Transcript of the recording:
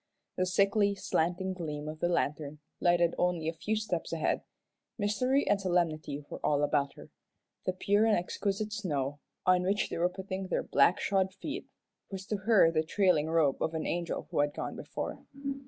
The sickly, slanting gleam of the lantern lighted only a few steps ahead. Mystery and solemnity were all about her; the pure and exquisite snow, on which they were putting their black shod feet, was to her the trailing robe of an angel who had gone before.